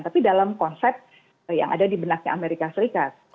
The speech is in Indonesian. tapi dalam konsep yang ada di benaknya amerika serikat